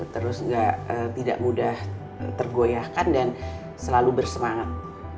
terus tidak mudah tergoyahkan dan selalu bersemangat